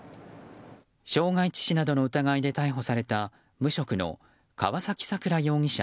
傷害致死などの疑いで逮捕された無職の川崎さくら容疑者